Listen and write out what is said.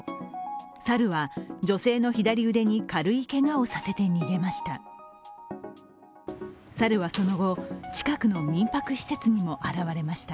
猿は女性の左腕に軽いけがをさせて逃げました。